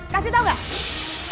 kasih tahu gak